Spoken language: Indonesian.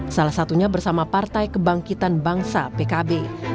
salah satunya bersama partai kebangkitan bangsa pkb